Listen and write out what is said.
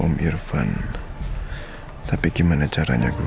gimana kayak gini juga makasih itu